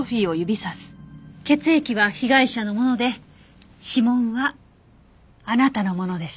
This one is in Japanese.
血液は被害者のもので指紋はあなたのものでした。